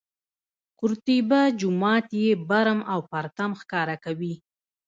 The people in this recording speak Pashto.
قورطیبه جومات یې برم او پرتم ښکاره کوي.